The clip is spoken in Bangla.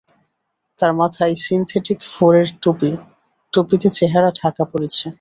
তাঁর মাথায় সিনথেটিক ফারের টুপি, টুপিতে চেহারা ঢাকা পড়েছে।